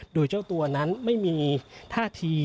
โดยเจ้าตัวนั้นไม่มีท่าที